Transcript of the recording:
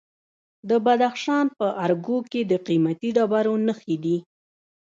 د بدخشان په ارګو کې د قیمتي ډبرو نښې دي.